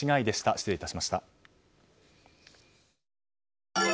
失礼いたしました。